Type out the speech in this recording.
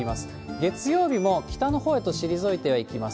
月曜日も北のほうへと退いていきます。